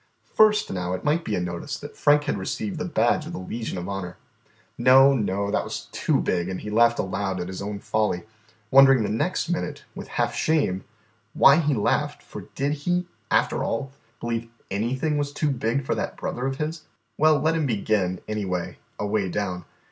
First, now, it might be a notice that Frank had received the badge of the Legion of Honour. No, no, that was too big, and he laughed aloud at his own folly, wondering the next minute, with half shame, why he laughed, for did he, after all, believe anything was too big for that brother of his? Well, let him begin, anyway, away down.